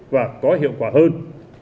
và có hiệu quả hơn